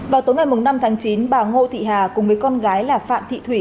vào tối ngày năm tháng chín bà ngộ thị hà cùng với con gái phạm thị thủy